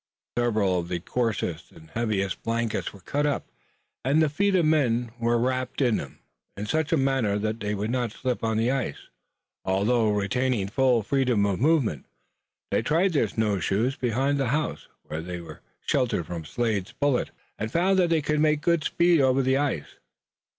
Several of the coarsest and heaviest blankets were cut up, and the feet of the men were wrapped in them in such manner that they would not slip on the ice, although retaining full freedom of movement. They tried their "snow shoes" behind the house, where they were sheltered from Slade's bullets, and found that they could make good speed over the ice.